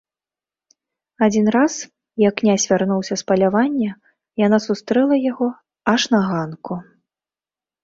Адзін раз, як князь вярнуўся з палявання, яна сустрэла яго аж на ганку.